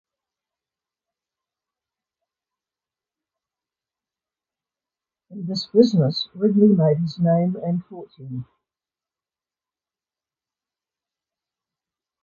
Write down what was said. In this business, Wrigley made his name and fortune.